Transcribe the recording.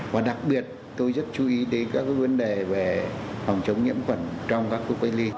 và đặc biệt tôi rất chú ý đến các vấn đề về phòng chống nhiễm khuẩn trong các khu cách ly